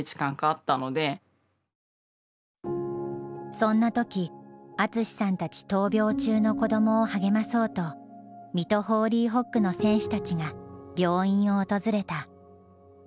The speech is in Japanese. そんな時淳さんたち闘病中の子どもを励まそうと水戸ホーリーホックの選手たちが病院を訪れた。